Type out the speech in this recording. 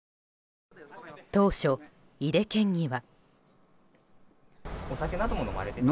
当初、井手県議は。